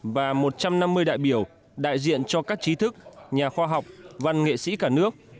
và một trăm năm mươi đại biểu đại diện cho các trí thức nhà khoa học văn nghệ sĩ cả nước